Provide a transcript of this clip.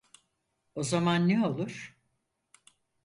O zaman ne olur?